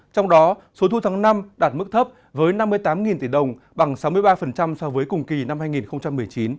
trong đó số thu tháng năm đạt mức thấp với năm mươi tám tỷ đồng bằng sáu mươi ba so với cùng kỳ năm hai nghìn một mươi chín